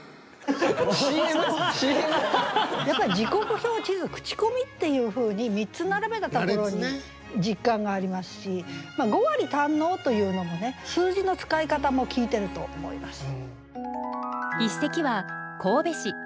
やっぱり「時刻表・地図・口コミ」っていうふうに３つ並べたところに実感がありますし「五割堪能」というのも数字の使い方も効いてると思います。